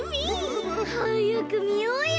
はやくみようよ！